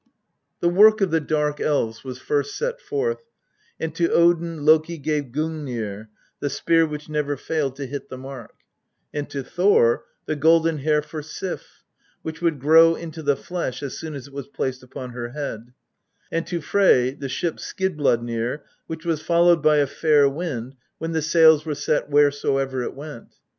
The work of the Dark elves was first set forth, and to Odin Loki gave Gungnir, the spear which never failed to hit the mark ; and to Thor the golden hair for Sif, "which would grow into the flesh as soon as it was placed upon her head;" and to Frey the ship Skidbladnir, " which was followed by a fair wind when the sails were set where soever it went.